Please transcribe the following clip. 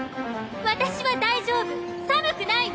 私は大丈夫寒くないわ！